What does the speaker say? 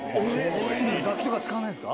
楽器とか使わないんですか？